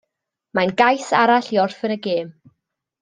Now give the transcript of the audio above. Mae'n gais arall i orffen y gêm.